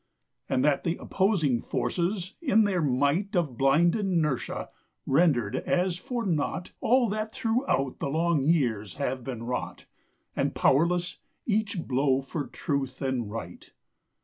And that the opposing forces in their might Of blind inertia rendered as for naught All that throughout the long years had been wrought, And powerless each blow for Truth and Right?